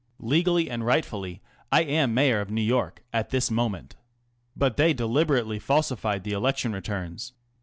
Legally and rightfully I am Mayor of New York at this moment. But they deliberately falsified the election returns.